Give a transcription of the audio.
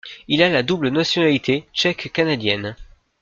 Il a la double nationalité tchèque-canadienne.